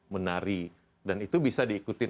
menari dan itu bisa diikuti